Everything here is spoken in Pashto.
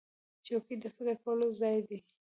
چوکۍ د فکر کولو ځای دی.